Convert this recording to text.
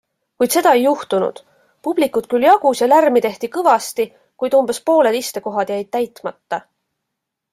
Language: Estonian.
Kuid seda ei juhtunud. Publikut küll jagus ja lärmi tehti kõvasti, kuid umbes pooled istekohad jäid täitmata.